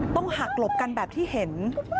ต้องหักหลบกันแบบที่เห็น